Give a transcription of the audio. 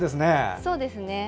そうですね。